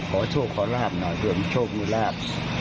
ขอโชคขอราบขอโชคพุราบ